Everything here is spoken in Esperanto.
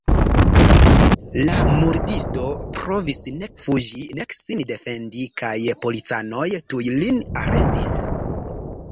La murdisto provis nek fuĝi nek sin defendi kaj policanoj tuj lin arestis.